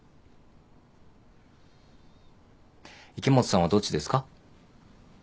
池本さんはどっちですか？